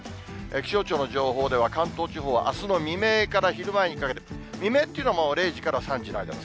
気象庁の情報では、関東地方は、あすの未明から昼前にかけて、未明っていうのはもう０時から３時の間です。